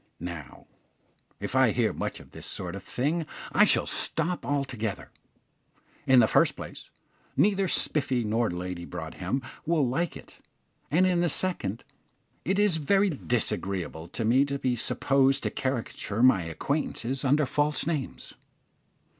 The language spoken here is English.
Now, if I hear much of this sort of thing I shall stop altogether. In the first place, neither Spiffy nor Lady Broadhem will like it; and in the second, it is very disagreeable to me to be supposed to caricature my acquaintances under false names.